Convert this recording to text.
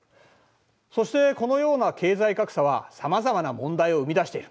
そしてこのような経済格差はさまざまな問題を生み出している。